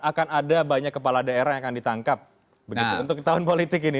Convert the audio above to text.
akan ada banyak kepala daerah yang akan ditangkap untuk tahun politik ini